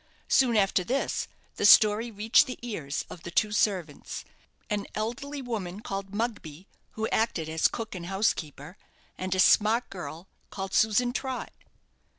Soon after this, the story reached the ears of the two servants an elderly woman, called Mugby, who acted as cook and housekeeper; and a smart girl, called Susan Trott.